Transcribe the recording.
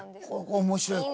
ここ面白い。